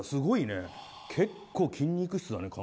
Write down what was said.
結構、筋肉質だね。